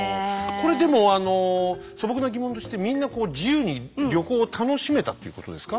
これでもあの素朴な疑問としてみんなこう自由に旅行を楽しめたっていうことですか？